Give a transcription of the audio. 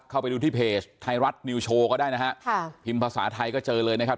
เข้าไปดูที่เพจไทยรัฐนิวโชว์ก็ได้นะฮะค่ะพิมพ์ภาษาไทยก็เจอเลยนะครับ